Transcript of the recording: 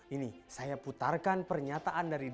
ini saya putarkan pernyataan dari